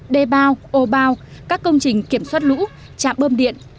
đề bao ô bao các công trình kiểm soát lũ chạm bơm điện